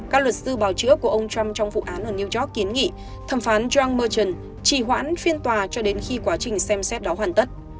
các luật sư bảo chữa của ông trump trong vụ án ở new york kiến nghị thẩm phán jong merchon chỉ hoãn phiên tòa cho đến khi quá trình xem xét đó hoàn tất